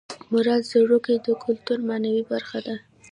مردار ځړوکی د کولتور معنوي برخه ده